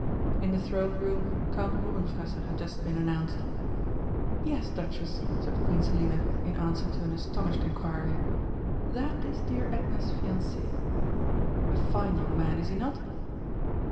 In the Throne room, Count Rubenfresser had just been announced. "Yes, Duchess," said Queen Selina, in answer to an astonished inquiry. "That is dear Edna's fiancé. A fine young man, is he not?"